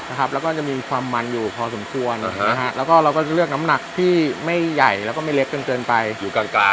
แล้วก็จะมีความมันอยู่พอสมควรแล้วก็เราก็จะเลือกน้ำหนักที่ไม่ใหญ่แล้วก็ไม่เล็กจนเกินไปอยู่กลางกลาง